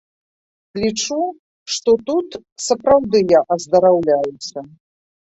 Лічу, што тут сапраўды я аздараўляюся.